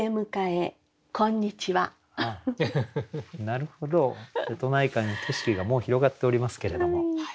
なるほど瀬戸内海の景色がもう広がっておりますけれども。